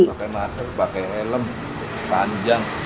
pakai masker pakai helm panjang